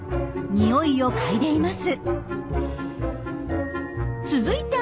ニオイを嗅いでいます。